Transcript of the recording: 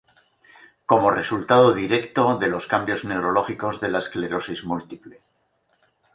Como resultado directo de los cambios neurológicos de la esclerosis múltiple.